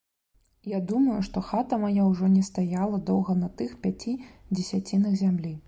Я думаю, што хата мая ўжо не стаяла доўга на тых пяці дзесяцінах зямлі.